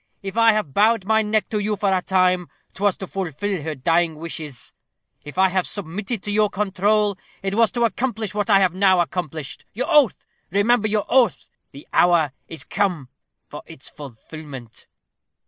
If I have bowed my neck to you for a time, 'twas to fulfil her dying wishes. If I have submitted to your control, it was to accomplish what I have now accomplished. Your oath! Remember your oath. The hour is come for its fulfilment."